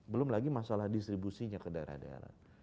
belum lagi masalah distribusinya ke daerah daerah